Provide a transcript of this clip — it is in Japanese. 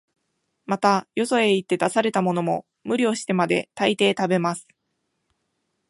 また、よそへ行って出されたものも、無理をしてまで、大抵食べます